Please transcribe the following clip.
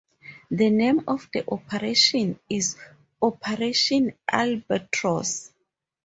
The name of the operation is Operation Albatross.